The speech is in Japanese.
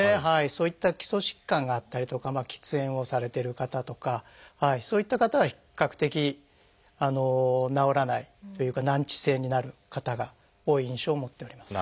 そういった基礎疾患があったりとか喫煙をされてる方とかそういった方は比較的治らないというか難治性になる方が多い印象を持っております。